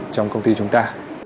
trong công ty chúng ta